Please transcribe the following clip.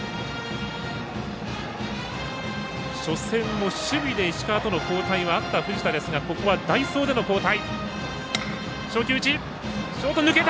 初戦を守備で石川との交代はあった藤田ですがここは代走での交代。